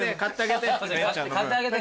買ってあげて。